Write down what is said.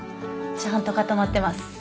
ちゃんと固まってます。